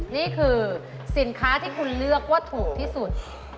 นี่คือสินค้าที่คุณเลือกว่าถูกที่สุด